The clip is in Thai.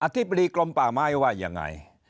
ธิบดีกรมป่าไม้ว่ายังไง